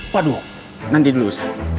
waduh nanti dulu ustadz